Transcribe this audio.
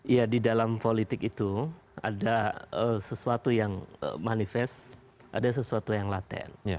ya di dalam politik itu ada sesuatu yang manifest ada sesuatu yang laten